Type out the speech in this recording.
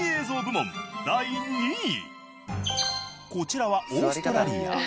こちらはオーストラリア。